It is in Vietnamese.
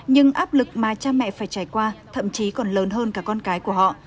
nhưng áp lực mà cha mẹ phải trải qua thậm chí còn lớn hơn cả con cái của họ